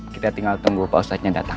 kita tinggal tunggu pak ustadznya datang